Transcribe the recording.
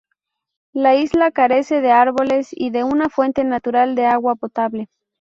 La isla carece de árboles y de una fuente natural de agua potable.